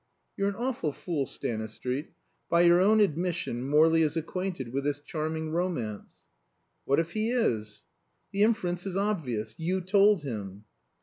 "You're an awful fool, Stanistreet. By your own admission Morley is acquainted with this charming romance." "What if he is?" "The inference is obvious. You told him."